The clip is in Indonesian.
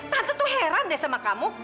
tante tuh heran deh sama kamu